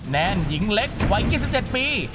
แนนหญิงเล็กวัย๒๗ปี